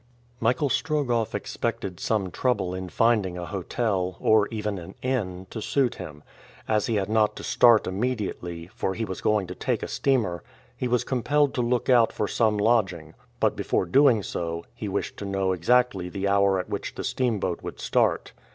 Michael Strogoff expected some trouble in finding a hotel, or even an inn, to suit him. As he had not to start immediately, for he was going to take a steamer, he was compelled to look out for some lodging; but, before doing so, he wished to know exactly the hour at which the steamboat would start.